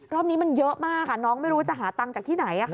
รอบนี้มันเยอะมากน้องไม่รู้จะหาตังค์จากที่ไหน